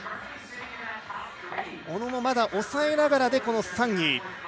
小野もまだ抑えながらで３位。